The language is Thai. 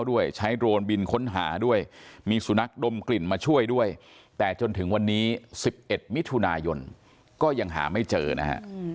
ด้วยใช้โดรนบินค้นหาด้วยมีสุนัขดมกลิ่นมาช่วยด้วยแต่จนถึงวันนี้๑๑มิถุนายนก็ยังหาไม่เจอนะฮะ